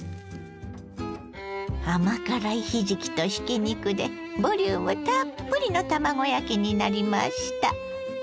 甘辛いひじきとひき肉でボリュームたっぷりの卵焼きになりました。